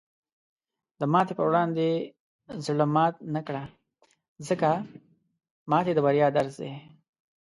د ماتې په وړاندې زړۀ مات نه کړه، ځکه ماتې د بریا درس دی.